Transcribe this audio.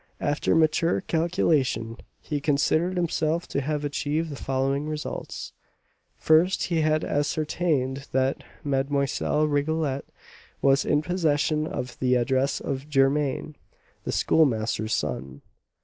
After mature calculation, he considered himself to have achieved the following results: First, he had ascertained that Mlle. Rigolette was in possession of the address of Germain, the Schoolmaster's son.